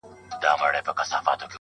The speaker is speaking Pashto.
ځان یې خپل دئ نور د هر چا دښمنان،